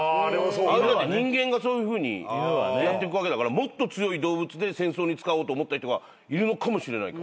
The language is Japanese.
あれだって人間がそういうふうにやっていくわけだからもっと強い動物で戦争に使おうと思ったりとかいるのかもしれないからね。